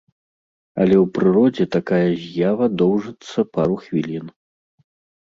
Але ў прыродзе такая з'ява доўжыцца пару хвілін.